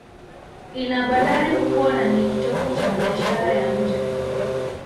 Ina bandari kubwa na ni kitovu cha biashara ya nje.